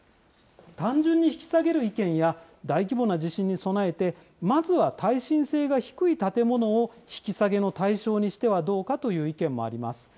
単純に引き下げる意見や、大規模な地震に備えて、まずは耐震性が低い建物を引き下げの対象にしてはどうかという意見もあります。